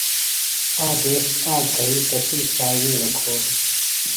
آ دیس آک گھئی تسی ݜاویڑوۡ کھولوۡ۔